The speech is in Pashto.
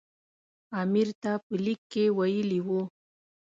امیر ته په لیک کې ویلي وو.